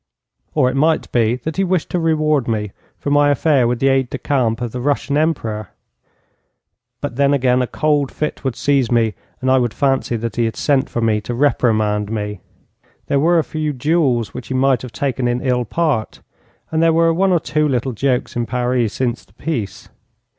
Or it might be that he wished to reward me for my affair with the aide de camp of the Russian Emperor. But then again a cold fit would seize me, and I would fancy that he had sent for me to reprimand me. There were a few duels which he might have taken in ill part, and there were one or two little jokes in Paris since the peace.